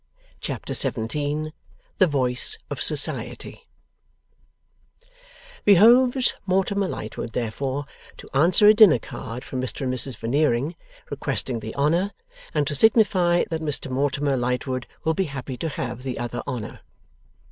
Chapter 17 THE VOICE OF SOCIETY Behoves Mortimer Lightwood, therefore, to answer a dinner card from Mr and Mrs Veneering requesting the honour, and to signify that Mr Mortimer Lightwood will be happy to have the other honour.